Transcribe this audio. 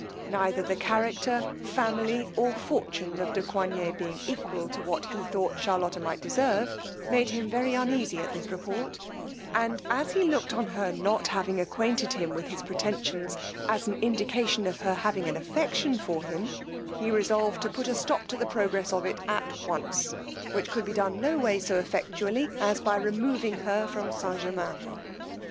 Neither the character, family, or fortune of de Coigney being equal to what he thought Charlotta might deserve, made him very uneasy at this report; and as he looked on her not having acquainted him with his pretensions as an indication of her having an affection for him; he resolved to put a stop to the progress of it at once, which could be done no way so effectually as by removing her from St. Germains.